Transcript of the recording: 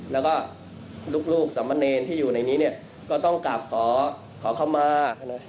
แล้วก็ลูกสามเณรที่อยู่ในนี้เนี่ยก็ต้องกลับขอเข้ามา